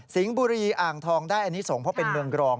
บุรีอ่างทองได้อันนี้ส่งเพราะเป็นเมืองกรอง